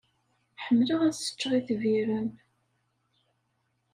Ḥemmleɣ ad sseččeɣ itbiren.